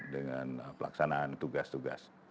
dengan pelaksanaan tugas tugas